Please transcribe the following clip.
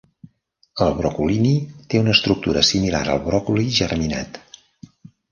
El brocolini té una estructura similar al bròcoli germinat.